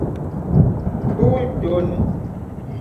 Tuj donu!